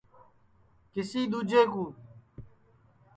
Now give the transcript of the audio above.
کسی ۮوجے کُﯡ